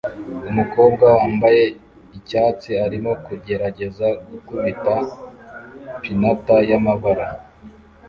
Umukobwa wambaye icyatsi arimo kugerageza gukubita pinata y'amabara